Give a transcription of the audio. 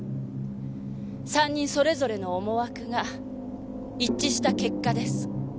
３人それぞれの思惑が一致した結果です。